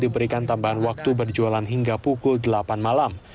diberikan tambahan waktu berjualan hingga pukul delapan malam